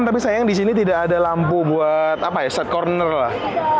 tapi sayang disini tidak ada lampu buat set corner lah